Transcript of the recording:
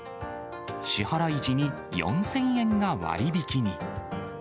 支払い時に４０００円が割引に。